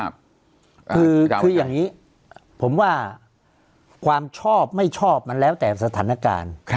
คืออย่างนี้ผมว่าความชอบไม่ชอบมันแล้วแต่สถานการณ์